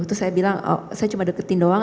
terus saya bilang saya cuma deketin doang